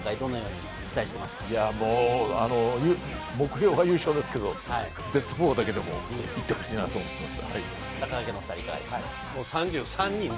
目標は優勝ですけど、ベスト４だけでも行ってほしいなと思っています。